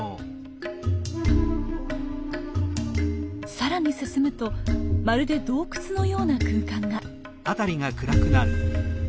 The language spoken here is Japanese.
更に進むとまるで洞窟のような空間が。